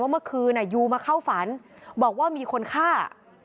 เมื่อคืนยูมาเข้าฝันบอกว่ามีคนฆ่า